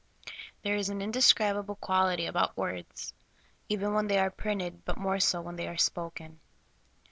THERE is an indescribable quality about words, even when they are printed, but more so when they are spoken.